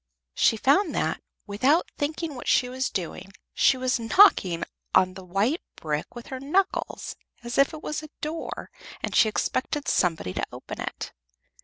She found that, without thinking what she was doing, she was knocking on the white brick with her knackles, as if it was a door and she expected somebody to open it.